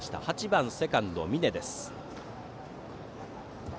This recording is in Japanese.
８番セカンド、峯です。